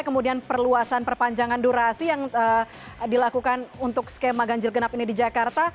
kemudian perluasan perpanjangan durasi yang dilakukan untuk skema ganjil genap ini di jakarta